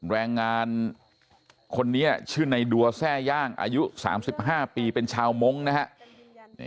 แรงงานคนนี้ชื่อในดัวแทร่ย่างอายุ๓๕ปีเป็นชาวมงค์นะฮะ